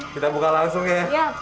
kita buka langsung ya